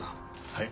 はい。